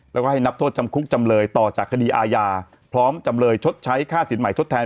แล้วก็ให้นับโทษจำคุกจำเลยต่อจากคดีอาญาพร้อมจำเลยชดใช้ค่าสินใหม่ทดแทน